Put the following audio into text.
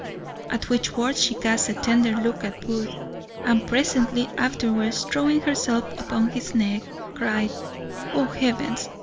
At which words she cast a tender look at Booth, and presently afterwards, throwing herself upon his neck, cried, "O, Heavens!